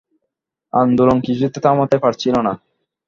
আন্দোলন কিছুতে থামাতে পারছিল না।